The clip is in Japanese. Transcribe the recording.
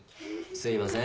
すいません。